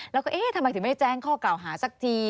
แล้วก็เอ๊ะทำไมถึงไม่แจ้งข้อกล่าวหาสักที